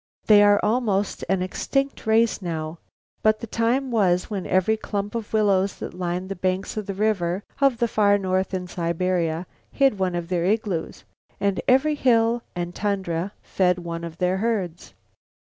They are almost an extinct race now, but the time was when every clump of willows that lined the banks of the rivers of the far north in Siberia hid one of their igloos, and every hill and tundra fed one of their herds.